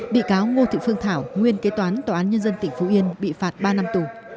bị cáo ngô thị phương thảo nguyên kế toán tòa án nhân dân tỉnh phú yên bị phạt ba năm tù